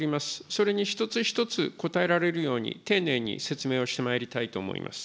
それに一つ一つ応えられるように、丁寧に説明をしてまいりたいと思います。